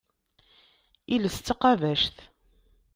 Iles d taqabact.